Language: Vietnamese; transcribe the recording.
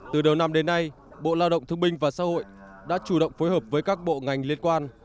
từ đầu năm đến nay bộ lao động thương binh và xã hội đã chủ động phối hợp với các bộ ngành liên quan